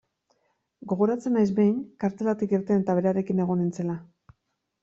Gogoratzen naiz, behin, kartzelatik irten eta berarekin egon nintzela.